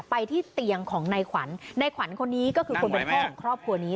ไปที่เตียงของนายขวัญในขวัญคนนี้ก็คือคนเป็นพ่อของครอบครัวนี้